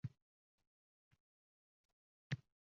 Mechnikov medali bilan taqdirlandi